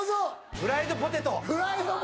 フライドポテト！